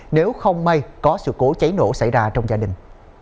nếu không may có sự cố cháy nổ xảy ra trong gia đình